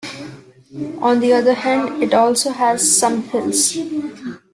On the other hand, it also has some hills.